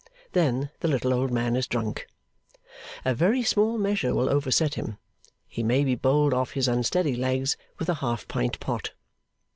Then the little old man is drunk. A very small measure will overset him; he may be bowled off his unsteady legs with a half pint pot.